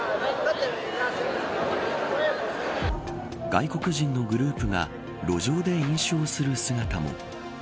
外国人のグループが路上で飲酒をする姿も。